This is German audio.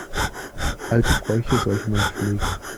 Alte Bräuche sollte man pflegen.